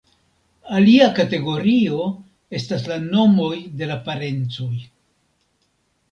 Alia kategorio estas la nomoj de la parencoj.